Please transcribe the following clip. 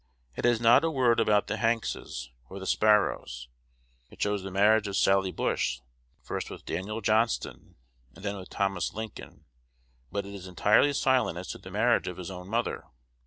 It has not a word about the Hankses or the Sparrows. It shows the marriage of Sally Bush, first with Daniel Johnston, and then with Thomas Lincoln; but it is entirely silent as to the marriage of his own mother.